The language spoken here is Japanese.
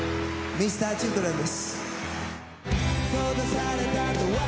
Ｍｒ．Ｃｈｉｌｄｒｅｎです。